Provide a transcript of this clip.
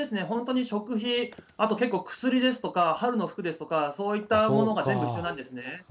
本当に食費、あと結構、薬ですとか、春の服ですとか、そういったものが全部必要なんですね。